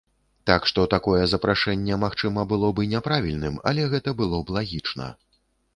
Так што такое запрашэнне, магчыма, было б і няправільным, але гэта было б лагічна.